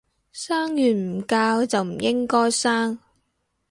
生完唔教就唔應該生